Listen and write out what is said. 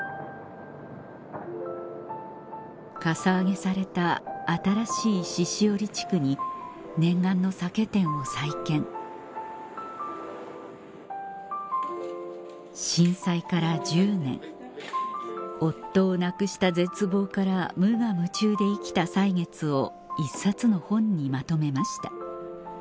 かさ上げされた新しい鹿折地区に念願の酒店を再建震災から１０年夫を亡くした絶望から無我夢中で生きた歳月を１冊の本にまとめました